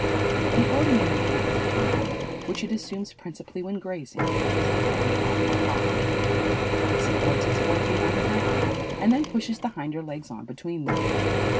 The ordinary gait of the kangaroo, which it assumes principally when grazing, is a heavy, awkward hobble. It supports its fore feet on the ground and then pushes the hinder legs on between them.